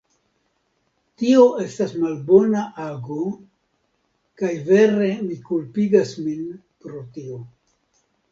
Tio estas malbona ago; kaj vere mi kulpigas min pro tio.